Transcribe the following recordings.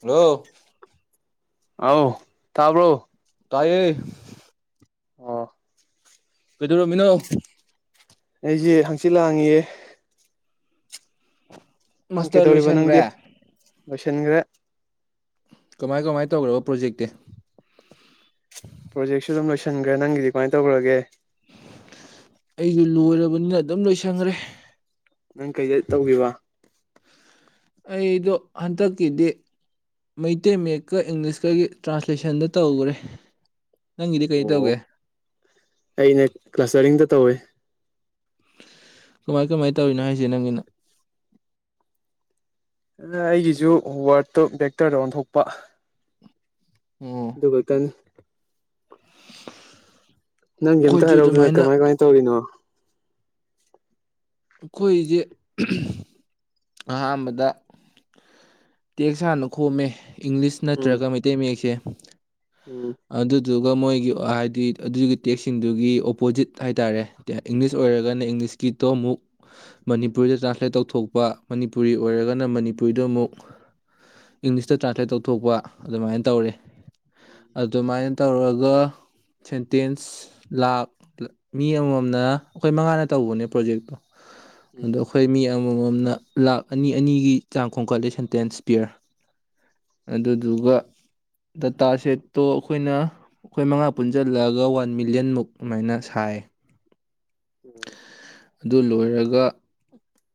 Hello ꯑꯥꯎ ꯇꯕ꯭ꯔꯣ ꯇꯥꯏꯌꯦ ꯑꯣ ꯀꯩꯗꯧꯔꯝꯃꯤꯅꯣ ꯑꯩꯁꯦ ꯍꯪꯆꯤꯠ ꯂꯥꯡꯉꯤꯌꯦ ꯃꯥꯁꯇꯔ ꯀꯩꯗꯧꯔꯤꯕ ꯅꯪꯗꯤ ꯂꯣꯏꯁꯟꯈ꯭ꯔꯦ ꯂꯣꯏꯁꯤꯟꯈ꯭ꯔꯦ ꯀꯃꯥꯏ ꯀꯃꯥꯏꯅ ꯇꯧꯈ꯭ꯔꯕ ꯄ꯭ꯔꯣꯖꯦꯛꯇꯤ ꯄ꯭ꯔꯣꯖꯦꯛꯁꯨ ꯑꯗꯨꯝ ꯂꯣꯏꯁꯤꯟꯈ꯭ꯔꯦ ꯅꯪꯒꯤꯗꯤ ꯀꯃꯥꯏꯅ ꯇꯧꯈ꯭ꯔꯒꯦ ꯑꯩꯁꯨ ꯂꯣꯏꯔꯕꯅꯤꯅ ꯑꯗꯨꯝ ꯂꯣꯏꯁꯟꯈ꯭ꯔꯦ ꯅꯪ ꯀꯩꯗ ꯇꯧꯈꯤꯕ ꯑꯩꯗꯣ ꯍꯟꯗꯛꯀꯤꯗꯤ ꯃꯩꯇꯩ ꯃꯥꯌꯦꯛꯀ ꯏꯪꯂꯤꯁꯀꯒꯤ ꯇ꯭ꯔꯥꯟꯁꯂꯦꯁꯟꯗ ꯇꯧꯈꯔ꯭ꯦ ꯅꯪꯒꯤꯗꯤ ꯀꯩ ꯑꯣ ꯇꯧꯒꯦ ꯑꯩꯅ ꯀ꯭ꯂꯁꯇꯔꯤꯡꯗ ꯇꯧꯋꯦ ꯀꯃꯥꯏ ꯀꯃꯥꯏꯅ ꯇꯧꯔꯤꯅꯣ ꯍꯥꯏꯁꯦ ꯅꯪꯒꯤꯅ ꯑꯩꯒꯤꯁꯨ ꯋꯥꯔꯠꯇꯣ ꯕꯦꯛꯇꯔꯗ ꯑꯣꯟꯊꯣꯛꯄ ꯑꯣ ꯎꯔꯛꯀꯅꯤ ꯅꯪꯒꯤ ꯑꯝꯇ ꯑꯩꯈꯣꯏꯁꯨ ꯍꯥꯏꯔꯛꯎꯗꯅ ꯑꯗꯨꯃꯥꯏꯅ ꯀꯃꯥꯏ ꯀꯃꯥꯏꯅ ꯇꯧꯔꯤꯅꯣ ꯑꯩꯈꯣꯏꯁꯦ ꯑꯍꯥꯟꯕꯗ ꯇꯦꯛꯁ ꯍꯥꯟꯅ ꯈꯣꯝꯃꯦ ꯏꯪꯂꯤꯁ ꯎꯝ ꯅꯠꯇ꯭ꯔꯒ ꯃꯩ ꯇꯩ ꯃꯌꯦꯛꯁꯦ ꯎꯝ ꯑꯗꯨꯗꯨꯒ ꯃꯣꯏꯒꯤ ꯍꯥꯏꯗꯤ ꯑꯗꯨꯒꯤ ꯇꯦꯛꯁꯁꯤꯡꯗꯨꯒꯤ ꯑꯣꯄꯣꯖꯤꯠ ꯍꯥꯏꯇꯥꯔꯦ ꯏꯪꯂꯤꯁ ꯑꯣꯏꯔꯒꯅ ꯏꯪꯂꯤꯁꯀꯤꯇꯣ ꯑꯃꯨꯛ ꯃꯅꯤꯄꯨꯔꯤꯗ ꯇ꯭ꯔꯥꯟꯁꯂꯦꯠ ꯇꯧꯊꯣꯛꯄ ꯃꯅꯤꯄꯨꯔꯤ ꯑꯣꯏꯔꯒꯅ ꯃꯅꯤ ꯃꯅꯤꯄꯨꯔꯤꯗꯥ ꯑꯃꯨꯛ ꯏꯪꯂꯤꯁꯇ ꯇ꯭ꯔꯥꯟꯁꯂꯦꯠ ꯇꯧꯊꯣꯛꯄ ꯑꯗꯨꯃꯥꯏꯅ ꯇꯧꯔꯦ ꯑꯗꯨꯃꯥꯏꯅ ꯇꯧꯔꯒ ꯁꯦꯟꯇꯦꯟꯁ ꯂꯥ ꯃꯤ ꯑꯃꯃꯝꯅ ꯑꯩꯈꯣꯏ ꯃꯉꯥꯅ ꯇꯧꯕꯅꯦ ꯄ꯭ꯔꯣꯖꯦꯛ ꯑꯗꯣ ꯑꯩꯈ ꯎꯝ ꯑꯩꯈꯣꯏ ꯃꯤ ꯑꯃꯃꯝꯅ ꯂꯥꯛ ꯑꯅꯤ ꯑꯅꯤꯒꯤ ꯆꯥꯡ ꯈꯣꯡꯝꯈꯠꯂꯤ ꯁꯟꯇꯦꯟꯁ ꯄꯤꯔꯒꯥ ꯑꯗꯨꯗꯨꯒ ꯗꯥꯇꯥ ꯁꯦꯠ ꯑꯗꯣ ꯑꯩꯈꯣꯏꯅ ꯑꯩꯈꯣꯏ ꯃꯉꯥ ꯄꯨꯟꯁꯤꯜꯂꯛꯒ ꯋꯥꯟ ꯃꯤꯂꯤꯌꯟꯃꯨꯛ ꯑꯗꯨꯃꯥꯏꯅ ꯁꯥꯏ [inaudible] [inaudible] ꯑꯗꯨ ꯂꯣꯏꯔꯒ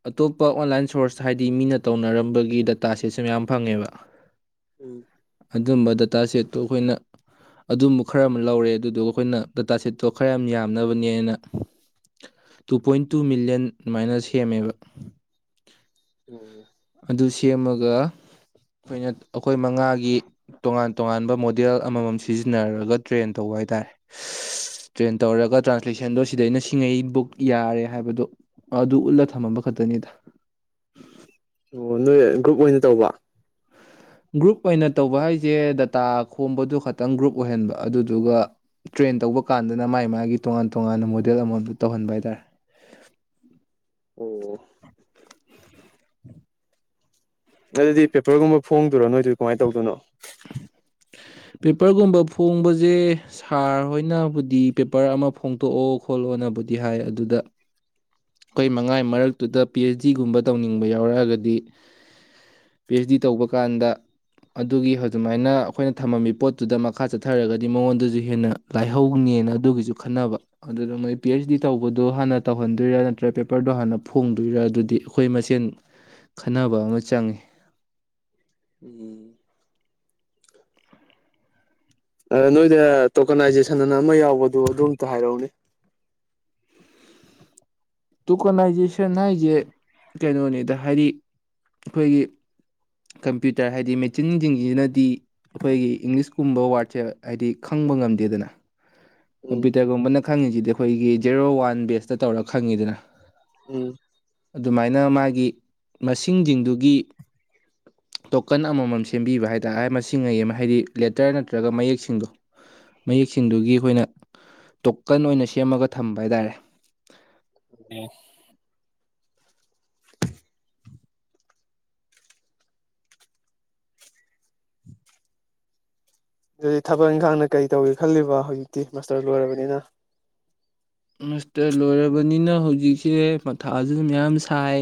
ꯑꯇꯣꯞꯄ ꯑꯣꯟꯂꯥꯏꯟ ꯁꯣꯔꯁ ꯍꯥꯏꯗꯤ ꯃꯤꯅ ꯇꯧꯅꯔꯝꯕꯒꯤ ꯗꯇꯥꯁꯦꯁꯨ ꯃꯌꯥꯝ ꯐꯪꯉꯦꯕ ꯎꯝ ꯑꯗꯨꯝꯕ ꯗꯇꯥ ꯁꯦꯠꯇꯨ ꯑꯩꯈꯣꯏꯅ ꯑꯗꯨꯝꯕ ꯈꯔ ꯑꯃ ꯂꯧꯔꯦ ꯑꯗꯨꯗꯨꯒ ꯑꯩꯈꯣꯏꯅ ꯗꯇꯥ ꯁꯦꯠꯇꯣ ꯈꯔ ꯌꯥꯝ ꯌꯥꯝꯅꯕꯅꯦꯅ ꯇꯨ ꯄꯣꯏꯟ ꯇꯨ ꯃꯤꯂꯤꯌꯟ ꯑꯗꯨꯃꯥꯏꯅ ꯁꯦꯝꯃꯦꯕ ꯎꯝ ꯑꯗꯨ ꯁꯦꯝꯃꯒ ꯑꯩꯈꯣꯏꯅ ꯑꯩꯈꯣꯏ ꯃꯉꯥꯒꯤ ꯇꯣꯉꯥꯟ ꯇꯣꯉꯥꯟꯕ ꯃꯣꯗꯦꯜ ꯑꯃꯃꯝ ꯁꯤꯖꯤꯟꯅꯔꯒ ꯇ꯭ꯔꯦꯟ ꯇꯧꯕ ꯍꯥꯏꯇꯥꯔꯦ ꯇ꯭ꯔꯦꯟ ꯇꯧꯔꯒ ꯇ꯭ꯔꯥꯟꯁꯂꯦꯁꯟꯗꯣ ꯁꯤꯗꯩꯅ ꯁꯤꯡꯉꯩ ꯕꯨꯛ ꯌꯥꯔꯦ ꯍꯥꯏꯕꯗꯣ ꯑꯗꯨ ꯎꯠꯂ ꯊꯝꯃꯝꯕ ꯈꯛꯇꯅꯤꯗ ꯑꯣ ꯅꯣꯏ ꯒ꯭ꯔꯨꯞ ꯑꯣꯏꯅ ꯇꯧꯕ ꯒ꯭ꯔꯨꯞ ꯑꯣꯏꯅ ꯇꯧꯕ ꯍꯥꯏꯁꯦ ꯗꯇꯥ ꯈꯣꯝꯕꯗꯨ ꯈꯛꯇꯪ ꯒ꯭ꯔꯨꯞ ꯑꯣꯏꯍꯟꯕ ꯑꯗꯨꯗꯨꯒ ꯇ꯭ꯔꯦꯟ ꯇꯧꯕ ꯀꯥꯟꯗꯅ ꯃꯥꯥꯏ ꯃꯥꯒꯤ ꯇꯣꯉꯥꯟ ꯇꯣꯉꯥꯟꯅ ꯃꯣꯗꯦꯜ ꯑꯃ ꯇꯧꯍꯟꯕ ꯍꯥꯏꯇꯥꯔꯦ ꯑꯣ ꯑꯗꯨꯗꯤ ꯄꯦꯄꯔꯒꯨꯝꯕ ꯐꯣꯡꯗꯣꯏꯔꯣ ꯅꯣꯏꯗꯨ ꯀꯃꯥꯏ ꯇꯧꯗꯣꯏꯅꯣ ꯄꯦꯄꯔꯒꯨꯝꯕ ꯐꯣꯡꯕꯖꯦ ꯁꯥꯔ ꯍꯣꯏꯅꯕꯨꯗꯤ ꯄꯦꯄꯔ ꯑꯃ ꯐꯣꯡꯇꯣꯛꯑꯣ ꯈꯣꯠꯂꯣꯅꯕꯨꯗꯤ ꯍꯥꯏ ꯑꯗꯨꯗ ꯑꯩꯈꯣꯏ ꯃꯉꯥꯒꯤ ꯃꯔꯛꯇꯨꯗ ꯄꯤ ꯑꯩꯆ ꯗꯤꯒꯨꯝꯕ ꯇꯧꯅꯤꯡꯕ ꯌꯥꯎꯔꯛꯑꯒꯗꯤ ꯄꯤ ꯑꯩꯆ ꯗꯤ ꯇꯧꯕꯥꯀꯟꯗꯥ ꯑꯗꯨꯒꯤ ꯍꯧꯁꯨꯃꯥꯏꯅ ꯑꯩꯈꯣꯏꯅ ꯊꯝꯃꯝꯃꯤ ꯄꯣꯠꯇꯨꯗ ꯃꯈꯥ ꯆꯠꯊꯔꯒꯗꯤ ꯃꯉꯣꯟꯗꯨꯁꯨ ꯍꯦꯟꯅ ꯂꯥꯏꯍꯧꯅꯦꯅ ꯑꯗꯨꯒꯤꯁꯨ ꯈꯟꯅꯕ ꯑꯗꯨꯗ ꯃꯣꯏ ꯄꯤ ꯑꯩꯆ ꯗꯤ ꯇꯧꯕꯗꯨ ꯍꯥꯟꯅ ꯇꯧꯍꯟꯗꯣꯏꯔꯥ ꯗ꯭ꯔꯦꯠ ꯄꯦꯄꯔꯗꯣ ꯍꯥꯟꯅ ꯐꯣꯡꯗꯣꯏꯔꯥ ꯑꯗꯨꯗꯤ ꯑꯩꯈꯣꯏ ꯃꯁꯦꯟ ꯈꯟꯅꯕ ꯑꯃ ꯆꯪꯉꯤ [inaudible] ꯑꯥ ꯅꯣꯏꯗ ꯇꯣꯀꯅꯥꯏꯖꯦꯁꯟ ꯑꯅ ꯑꯃ ꯌꯥꯎꯕꯗꯣ ꯑꯗꯨ ꯑꯝꯇ ꯍꯥꯏꯔꯛꯎꯅꯦ ꯇꯣꯀꯣꯅꯥꯏꯖꯦꯁꯟ ꯍꯥꯏꯁꯦ ꯀꯩꯅꯣꯅꯤꯗ ꯍꯥꯏꯗꯤ ꯑꯩꯈꯣꯏꯒꯤ ꯀꯝꯄ꯭ꯌꯨꯇꯔ ꯍꯥꯏꯗꯤ ꯃꯦꯆꯤꯟꯁꯤꯡꯁꯤꯅꯗꯤ ꯑꯩꯈꯣꯏꯒꯤ ꯏꯪꯂꯤꯁꯀꯨꯝꯕ ꯋꯥꯔꯗꯁꯦ ꯍꯥꯏꯗꯤ ꯈꯪꯕ ꯉꯝꯗꯦꯗꯅ ꯎꯝ ꯀꯝꯄ꯭ꯌꯨꯇꯔꯒꯨꯝꯕꯅ ꯈꯪꯉꯤꯁꯤꯗꯤ ꯑꯩꯈꯣꯏꯒꯤ ꯖꯦꯔꯣ ꯋꯥꯟ ꯕꯦꯁꯇ ꯇꯧꯔ ꯈꯪꯉꯤꯗꯅ ꯎꯝ ꯑꯗꯨꯃꯥꯏꯅ ꯃꯥꯒꯤ ꯃꯁꯤꯡꯖꯤꯡꯗꯨꯒꯤ ꯇꯣꯀꯟ ꯑꯃꯃꯝ ꯁꯦꯝꯕꯤꯕ ꯍꯥꯏꯇꯥꯔꯦ ꯃꯁꯤꯉꯩ ꯑꯃ ꯍꯥꯏꯗꯤ ꯂꯦꯇꯔ ꯅꯠꯇ꯭ꯔꯒ ꯃꯌꯦꯛꯁꯤꯡꯗꯣ ꯃꯌꯦꯛꯁꯤꯡꯗꯨꯒꯤ ꯑꯩꯈꯣꯏꯅ ꯇꯣꯀꯟ ꯑꯣꯏꯅ ꯁꯦꯝꯃꯒ ꯊꯝꯕ ꯍꯥꯏꯇꯥꯔꯦ ꯎꯝ ꯑꯗꯨꯗꯤ ꯊꯕꯛ ꯏꯪꯈꯥꯡꯅ ꯀꯔꯤ ꯇꯧꯒꯦ ꯈꯜꯂꯤꯕ ꯍꯧꯖꯤꯛꯇꯤ ꯃꯥꯁꯇꯔ ꯂꯣꯏꯔꯕꯅꯤꯅ ꯃꯁꯇꯔ ꯂꯣꯏꯔꯕꯅꯤꯅ ꯍꯧꯖꯤꯛꯁꯦ ꯃꯊꯥꯁꯨ ꯃꯌꯥꯝ ꯁꯥꯏ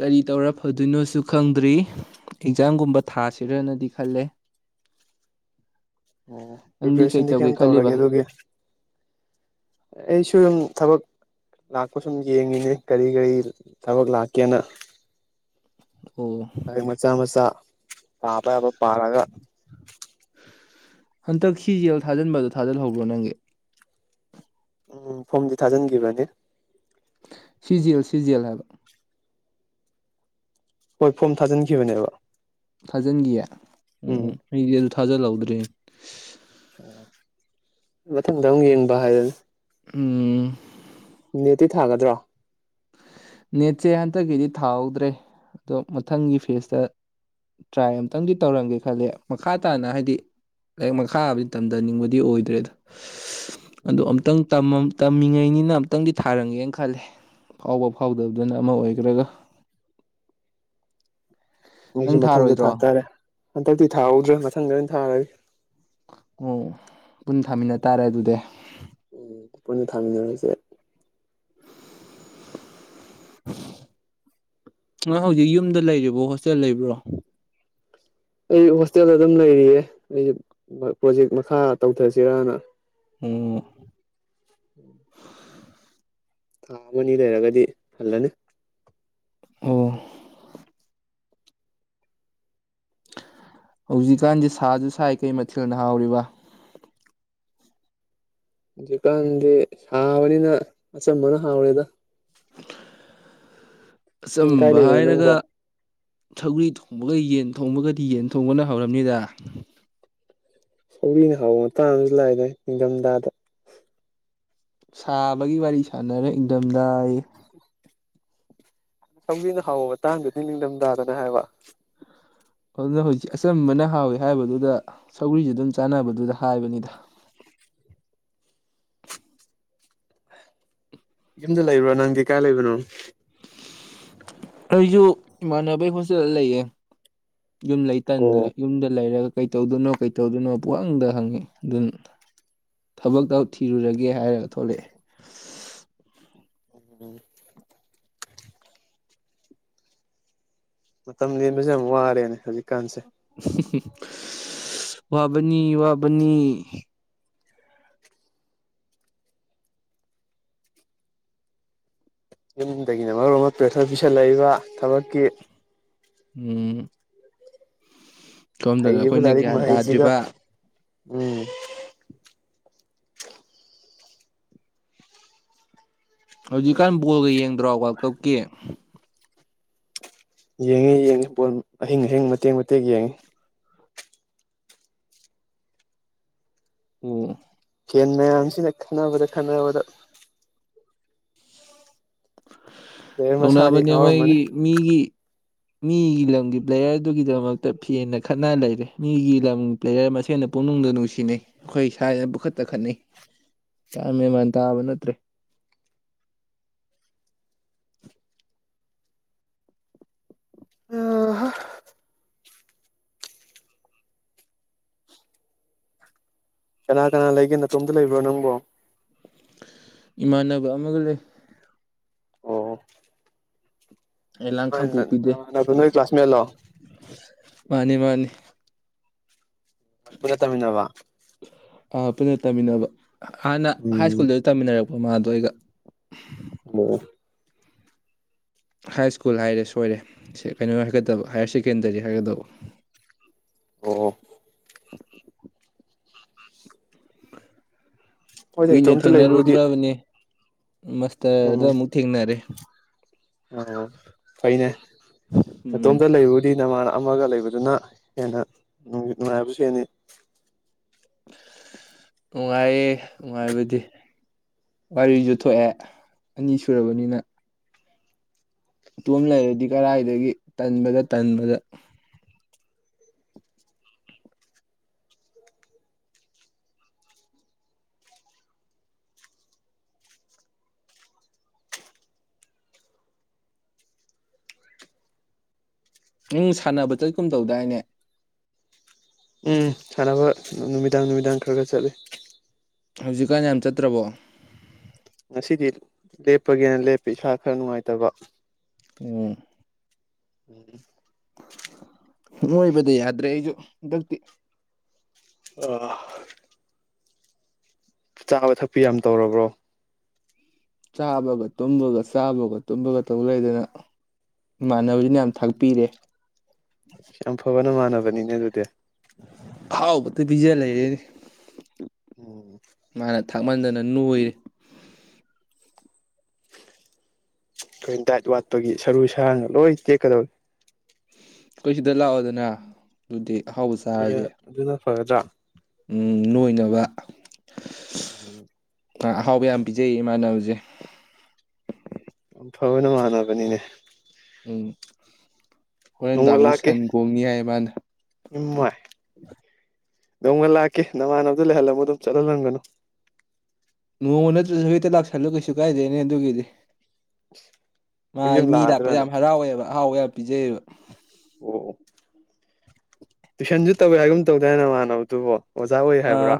ꯀꯔꯤ ꯇꯧꯔ ꯐꯗꯣꯏꯅꯣꯁꯨ ꯈꯪꯗ꯭ꯔꯤ ꯑꯦꯛꯖꯥꯝꯒꯨꯝꯕ ꯊꯥꯁꯤꯔꯅꯗꯤ ꯈꯜꯂꯦ ꯑꯣ ꯅꯪꯗꯤ ꯀꯩ ꯄ꯭ꯔꯤꯄꯦꯔꯦꯁꯟꯗꯤ ꯇꯧꯒꯦ ꯀꯩꯝ ꯈꯜꯂꯤꯕ ꯇꯧꯔꯒꯦ ꯑꯗꯨꯒꯤ ꯑꯩꯁꯨ ꯌꯨꯝ ꯊꯕꯛ ꯂꯥꯛꯄ ꯁꯨꯝ ꯌꯦꯡꯉꯤꯅꯦ ꯀꯔꯤ ꯀꯔꯤ ꯊꯕꯛ ꯂꯥꯛꯀꯦꯅ ꯑꯣ ꯃꯆꯥ ꯃꯆꯥ ꯄꯥꯕ ꯌꯥꯕ ꯄꯥꯔꯒ ꯍꯟꯗꯛ ꯁꯤ ꯖꯤ ꯌꯦꯜ ꯊꯥꯖꯤꯟꯕꯗꯣ ꯊꯥꯖꯤꯜꯍꯧꯕ꯭ꯔꯣ ꯅꯪꯒꯤ ꯎꯝ ꯐꯣꯝꯗꯤ ꯊꯥꯖꯤꯟꯈꯤꯕꯅꯤ ꯁꯤꯖꯦꯜ ꯁꯤꯖꯦꯜ ꯍꯥꯏꯕ ꯍꯣꯏ ꯐꯣꯝ ꯊꯥꯖꯤꯟꯈꯤꯕꯅꯦꯕ ꯊꯥꯖꯟꯈꯤꯌꯦ ꯎꯝ ꯑꯩꯗꯤ ꯑꯗꯨ ꯊꯥꯖꯤꯜꯍꯧꯗ꯭ꯔꯦ ꯑꯣ ꯃꯊꯪꯗꯃꯨꯛ ꯌꯦꯡꯕ ꯍꯥꯏꯗꯨꯟ ꯎꯝ ꯅꯦꯠꯇꯤ ꯊꯥꯒꯗ꯭ꯔꯣ ꯅꯦꯠꯁꯦ ꯍꯟꯗꯛꯀꯤꯗꯤ ꯊꯥꯍꯧꯗ꯭ꯔꯦ ꯑꯗꯣ ꯃꯊꯪꯒꯤ ꯐꯦꯁꯇ ꯇ꯭ꯔꯥꯏ ꯑꯃꯝꯇꯪꯗꯤ ꯇꯧꯔꯝꯒꯦ ꯈꯜꯂꯦ ꯃꯈꯥ ꯇꯥꯅ ꯍꯥꯏꯗꯤ ꯂꯥꯏꯔꯤꯛ ꯃꯈꯥꯕꯨꯗꯤ ꯇꯝꯊꯅꯤꯡꯕꯗꯤ ꯑꯣꯏꯗ꯭ꯔꯦꯗꯥ ꯑꯗ‌ꯣ ꯎꯝ ꯑꯝꯇꯪ ꯇꯝꯃꯝ ꯇꯝꯃꯤꯉꯩꯅꯤꯅ ꯑꯝꯇꯪꯗꯤ ꯊꯥꯔꯝꯒꯦꯅ ꯈꯜꯂꯦ ꯐꯥꯎꯕ ꯐꯥꯎꯗꯕꯗꯨꯅ ꯑꯃ ꯑꯣꯏꯈ꯭ꯔꯒ ꯑꯩꯖꯨ ꯅꯪ ꯃꯊꯪꯗ ꯊꯥ ꯊꯥꯔꯣꯏꯗ꯭ꯔꯣ ꯇꯥꯔꯦ ꯍꯟꯗꯛꯇꯤ ꯊꯥꯍꯧꯗ꯭ꯔꯦ ꯃꯊꯪꯗ ꯑꯣꯏꯅ ꯊꯥꯔ ꯑꯣ ꯄꯨꯟ ꯊꯥꯃꯤꯟꯅ ꯇꯥꯔꯦ ꯑꯗꯨꯗꯤ ꯎꯝ ꯄꯨꯟꯅ ꯊꯥꯃꯤꯟꯅꯔꯁꯦ [unintelligible] ꯅꯥ ꯍꯧꯖꯤꯛ ꯌꯨꯝꯗ ꯂꯩꯔꯤꯕꯣ ꯍꯣꯁꯇꯦꯜ ꯂꯩꯕ꯭ꯔꯣ ꯑꯩ ꯍꯣꯁꯇꯦꯜꯗ ꯑꯗꯨꯝ ꯂꯩꯔꯤꯌꯦ ꯑꯩ ꯑ ꯄ꯭ꯔꯣꯖꯦꯛ ꯃꯈꯥ ꯇꯧꯊꯁꯤꯔꯥꯅꯥ ꯑꯣ ꯊꯥ ꯑꯃꯅꯤ ꯂꯩꯔꯒꯗꯤ ꯍꯜꯂꯅꯤ ꯑꯣ ꯍꯧꯖꯤꯛꯀꯥꯟꯗꯤ ꯁꯥꯁꯨ ꯁꯥꯏ ꯀꯩ ꯃꯊꯦꯜꯅ ꯍꯥꯎꯔꯤꯕꯥ ꯍꯨꯖꯤꯀꯥꯟꯗꯤ ꯁꯥꯕꯅꯤꯅ ꯑꯆꯝꯕꯅ ꯍꯥꯎꯔꯦꯗꯥ ꯎꯝ ꯀꯥꯏ ꯑꯆꯝꯕ ꯂꯩꯕꯅꯣ ꯍꯥꯏꯔꯒ ꯅꯪꯕꯣ ꯁꯧꯒ꯭ꯔꯤ ꯊꯣꯡꯕꯒ ꯌꯦꯟ ꯊꯣꯡꯕꯒꯗꯤ ꯌꯦꯟ ꯊꯣꯡꯕꯅ ꯍꯧꯔꯝꯅꯤꯗ ꯁꯧꯒ꯭ꯔꯤꯅ ꯍꯥꯎꯕ ꯃꯇꯥꯡ ꯑꯝꯁꯨ ꯂꯥꯛꯑꯦꯗ ꯏꯪꯊꯝ ꯊꯥꯗ ꯁꯥꯕꯒꯤ ꯋꯥꯔꯤ ꯁꯥꯟꯅꯔ ꯏꯪꯗꯝꯗꯥꯌ‌ꯦ ꯁꯧꯒ꯭ꯔꯤꯅ ꯍꯥꯎꯕ ꯃꯇꯥꯡꯗꯨꯗꯤ ꯅꯤꯡꯗꯝꯗꯥꯗꯅ‌ꯦ ꯍꯥꯏꯕ ꯑꯗꯨꯅ ꯍꯧꯖꯤꯛ ꯑꯆꯝꯕꯅ ꯍꯥꯎꯋꯤ ꯍꯥꯏꯕꯗꯨꯗ ꯁꯧꯒ‍꯭ꯔꯤꯁꯨ ꯑꯗꯨꯝ ꯆꯥꯟꯅꯕꯗꯨꯗ ꯍꯥꯏꯕꯅꯤꯗ ꯌꯨꯝꯗ ꯂꯩꯕ꯭ꯔꯣ ꯅꯪꯗꯤ ꯀꯥꯏ ꯂꯩꯕꯅꯣ ꯑꯩꯖꯨ ꯏꯃꯥꯟꯅꯕꯩ ꯍꯣꯁꯇꯦꯜꯗ ꯂꯩꯌꯦ ꯌꯨꯝ ꯂꯩ ꯑꯣ ꯇꯟꯗꯅ ꯌꯨꯝꯗ ꯂꯩꯔꯛ ꯀꯩ ꯇꯧꯗꯣꯅꯣ ꯀꯩ ꯇꯧꯗꯣꯅꯣ ꯄꯨꯡꯍꯪꯗ ꯍꯪꯉꯤ ꯑꯗꯨꯟ ꯊꯕꯛꯇ‌ꯣ‌ ꯊꯤꯔꯨꯔꯒꯦ ꯍꯥꯏꯔ ꯊꯣꯛꯂ‌‌ꯦꯑꯦ ꯎꯝ ꯃꯇꯝ ꯂꯦꯟꯕꯖ‌ꯦ ꯌꯥꯝ ꯋꯥꯔꯦꯅꯦ ꯍꯧꯖꯤꯛꯀꯥꯟꯁꯦ ꯋꯥꯕꯅꯤ ꯋꯥꯕꯅꯤ ꯌꯨꯝꯗꯒꯤꯅ ꯃꯔ‌ꯣꯟ ꯑꯃ ꯄ꯭ꯔꯦꯁꯔ ꯄꯤꯁꯜꯂꯥꯏꯕ ꯊꯕꯛꯀꯤ ꯎꯝ ꯁꯣꯝꯗꯅ ꯍꯩꯔꯤꯕ ꯑꯩꯈꯣꯏꯅ ꯂꯥꯏꯔꯤꯛ ꯒ꯭ꯌꯥꯟ ꯃꯍꯩꯁꯤꯒ ꯇꯥꯗ꯭ꯔꯤꯕ ꯎꯝ ꯍꯧꯖꯤꯛꯀꯥꯟ ꯕꯣꯜꯒ ꯌꯦꯡꯗ꯭ꯔꯣ ꯋꯥꯔꯜ ꯀꯞꯀꯤ ꯌꯦꯡꯉ‌ꯦ ꯌꯦꯡꯉ‌ꯦ ꯕꯣꯟ ꯑꯍꯤꯡ ꯑꯍꯤꯡ ꯃꯇꯦꯛ ꯃꯇꯦꯛ ꯌꯦꯡ ꯑꯣ ꯐꯦꯟ ꯃꯌꯥꯝꯁꯤꯅ ꯈꯟꯅꯕꯗ ꯈꯠꯅꯕꯗ ꯄ꯭ꯂꯦꯌꯔ ꯃꯁꯥꯗꯤ ꯇꯧꯅꯕꯅꯦ ꯉꯥꯎꯔꯝꯃꯅꯤ ꯃꯣꯏꯒꯤ ꯃꯤꯒꯤ ꯃꯤꯒꯤ ꯂꯝꯒꯤ ꯄ꯭ꯂꯦꯌꯔꯗꯨꯒꯤꯗꯃꯛꯇ ꯐꯦꯟꯅ ꯈꯠꯅ ꯂꯩꯔꯦ ꯃꯤꯒꯤ ꯂꯝ ꯄ꯭ꯂꯦꯌꯔ ꯃꯁꯦꯟꯅ ꯄꯨꯛꯅꯨꯡꯗ ꯅꯨꯡꯁꯤꯅꯩ ꯑꯩꯈꯣꯏ ꯏꯁꯥꯅ ꯄꯨꯈꯠ ꯇꯥ ꯈꯠꯅꯩ꯫ ꯒ꯭ꯌꯥꯟ ꯃꯦꯃꯥꯟ ꯇꯥꯕ ꯅꯠꯇ꯭ꯔꯦ ꯀꯅꯥ ꯀꯅꯥ ꯂꯩꯒꯦ ꯅꯇꯣꯝꯇ ꯂꯩꯕ꯭ꯔꯣ ꯅꯪꯕꯣ꯫ ꯏꯃꯥꯟꯅꯕ ꯑꯃꯒꯥ ꯂꯩ꯫ ꯑꯣ ꯑꯩ ꯂꯥꯡꯈꯥꯡꯄꯣꯛꯄꯤꯗꯦ ꯅ ꯅꯣꯏ ꯀ꯭ꯂꯥꯁꯃꯦꯠꯂꯣ ꯃꯥꯅꯤ ꯃꯥꯅꯤ ꯄꯨꯟꯅ ꯇꯥꯝꯃꯤꯟꯅꯕ ꯑ ꯄꯨꯟꯅ ꯇꯥꯃꯤꯟꯅꯕ ꯍꯥꯟꯅ ꯍꯥꯏ ꯎꯝ ꯁ꯭ꯀꯨꯜꯗ ꯇꯝꯃꯤꯟꯅꯔꯛꯄ ꯃꯥꯗꯣ ꯑꯩꯒ [unintelligible] ꯍꯥꯏ ꯁ꯭ꯀꯨꯜ ꯍꯥꯏꯔꯦ ꯁꯣꯏꯔꯦ ꯁꯦ ꯀꯩꯅꯣ ꯍꯥꯏꯒꯗꯕ ꯍꯥꯏꯌꯔ ꯁꯦꯀꯦꯟꯗꯔꯤ ꯍꯥꯏꯒꯗꯕ ꯑꯣ ꯍꯣꯏꯗ ꯀꯨꯏꯅ ꯏꯇꯣꯝꯇ ꯂꯩꯕꯕꯨꯗꯤ ꯊꯦꯡꯅꯔꯨꯗ꯭ꯔꯥꯕꯅꯦ ꯃꯁꯇꯔꯗ ꯑꯃꯨꯛ ꯊꯦꯡꯅꯔꯦ꯫ ꯑ ꯐꯩꯅꯦ ꯎꯝ ꯅꯇꯣꯝꯗꯥ ꯂꯩꯕꯕꯨꯗꯤ ꯅ ꯃꯥ ꯑꯃꯒꯥ ꯂꯩꯕꯗꯨꯅ ꯍꯦꯟꯅ ꯅꯨꯡ ꯅꯨꯡꯉꯥꯏꯕꯁꯨ ꯍꯦꯟꯅꯤ ꯅꯨꯡꯉꯥꯏꯌꯦ ꯅꯨꯡꯉꯥꯏꯕꯗꯤ ꯋꯥꯔꯤꯁꯨ ꯊꯣꯛꯑꯦ ꯑꯅꯤ ꯁꯨꯔꯕꯅꯤꯅ ꯏꯇꯣꯝ ꯂꯩꯔꯗꯤ ꯀꯔꯥꯏꯗꯒꯤ ꯇꯟꯕꯗ ꯇꯟꯕꯗ ꯅꯪ ꯁꯥꯟꯅꯕ ꯆꯠ ꯀꯨꯝ ꯇꯧꯗꯥꯏꯅꯦ ꯎꯝ ꯁꯥꯟꯅꯕ ꯅꯨꯃꯤꯗꯥꯡ ꯅꯨꯃꯤꯗꯥꯡ ꯈꯔ ꯈꯔ ꯆꯠꯂꯤ꯫ ꯍꯧꯖꯤꯛꯀꯥꯟ ꯌꯥꯝ ꯆꯠꯇ꯭ꯔꯕꯣ꯫ ꯉꯁꯤꯗꯤ ꯂꯦꯞꯄꯒꯦꯅ ꯂꯦꯞꯄꯤ ꯏꯁꯥ ꯈꯔ ꯅꯨꯡꯉꯥꯏꯇꯕ ꯎꯝ꯫ [unintelligible] ꯅꯣꯏꯕꯗ ꯌꯥꯗ꯭ꯔꯦ ꯑꯩꯁꯨ ꯍꯟꯗꯛꯇꯤ ꯑꯥ ꯆꯥꯕ ꯊꯛꯄꯤ ꯌꯥꯝ ꯇꯧꯔꯕ꯭ꯔꯣ꯫ ꯆꯥꯕꯒ ꯇꯨꯝꯕꯒ ꯆꯥꯕꯒ ꯇꯨꯝꯕꯒ ꯇꯧ ꯂꯩꯗꯅ꯫ ꯏꯃꯥꯟꯅꯕꯁꯤꯅ ꯌꯥꯝ ꯊꯥꯛꯄꯤꯔꯦ꯫ ꯌꯥꯝ ꯐꯕꯥ ꯅꯃꯥꯟꯅꯕꯅꯤꯅꯦ ꯑꯗꯨꯗꯤ ꯑꯍꯥꯎꯕꯇꯥ ꯄꯤꯖꯥ ꯂꯩꯔꯦꯅꯦ꯫ ꯎꯝ꯫ ꯃꯥꯅ ꯊꯥꯛꯃꯟꯗꯅ ꯅꯣꯏꯔꯦ꯫ ꯑꯩꯈꯣꯏꯅ ꯗꯥꯏꯠ ꯋꯥꯠꯄꯒꯤ ꯁꯔꯨ ꯁꯔꯥꯡꯒ ꯂꯣꯏꯅ ꯇꯦꯛꯀꯗꯧꯔꯦ꯫ ꯑꯩꯈꯣꯏ ꯁꯤꯗ ꯂꯥꯛꯑꯣꯗꯅ ꯑꯗꯨꯗꯤ ꯑꯍꯥꯎꯕ ꯅꯣꯏꯒ ꯆꯥꯔꯁꯦ꯫ ꯑꯗꯨꯅ ꯐꯔꯗ꯭ꯔꯥ꯫ ꯎꯝ ꯅꯣꯏꯅꯕ ꯎꯝ꯫ ꯑꯍꯥꯎꯕ ꯌꯥꯝ ꯄꯤꯖꯩ ꯏꯃꯥꯟꯅꯕꯁꯦ꯫ ꯌꯥꯝ ꯐꯕꯥ ꯅꯃꯥꯟꯅꯕꯅꯤꯅꯦ꯫ ꯍꯣꯔꯦꯟꯗꯥꯡꯁꯨ ꯁꯟ ꯀꯣꯡꯅꯤ ꯍꯥꯏ ꯃꯅꯥ ꯏꯃꯥꯏ ꯅꯣꯡꯃꯥ ꯂꯥꯛꯀꯦ ꯅꯃꯥꯟꯅꯕꯗꯨ ꯂꯩꯍꯜꯂꯝꯃꯨ ꯑꯗꯨꯝ ꯆꯠꯍꯜꯂꯝꯒꯅꯨ ꯅꯣꯡꯃ ꯅꯠꯇ꯭ꯔꯁꯨ ꯍꯦꯛꯇ ꯂꯥꯛꯁꯤꯜꯂꯨ ꯀꯩꯁꯨ ꯀꯥꯏꯗꯦꯅꯦ ꯑꯗꯨꯒꯤꯗꯤ ꯃꯥ ꯑꯩ ꯌꯨꯝ ꯃꯤ ꯂꯥꯛꯄ ꯂꯥꯛꯑꯗ꯭ꯔꯅꯦ ꯌꯥꯝ ꯍꯔꯥꯎꯋꯦꯕ ꯑꯍꯥꯎꯕ ꯌꯥꯝ ꯄꯤꯖꯩꯌꯦꯕ ꯑꯣ ꯑꯣ ꯇꯨꯏꯁꯟꯁꯨ ꯇꯧꯋꯦ ꯍꯥꯏꯒꯨꯝ ꯇꯧꯗꯥꯏ ꯅꯃꯥꯟꯅꯕꯗꯨꯕꯨ ꯑꯥ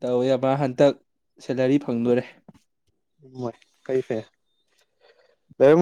ꯇꯧꯋꯦꯕ ꯍꯟꯇꯛ ꯁꯦꯂꯔꯤ ꯐꯪꯗꯣꯔꯦ ꯏꯃꯥꯏ ꯀꯩ ꯐꯦ ꯂꯩꯔꯝ